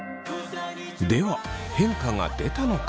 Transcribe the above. では変化が出たのか？